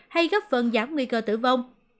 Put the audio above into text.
hay gấp phần giảm nguy cơ tử vong